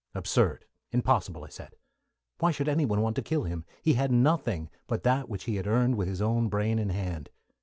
"Absurd, impossible," I said. Why should anyone want to kill him? He had nothing but that which he had earned with his own brain and hand.